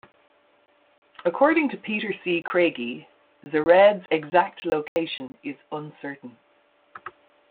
According to Peter C. Craigie, Zered's exact location is uncertain.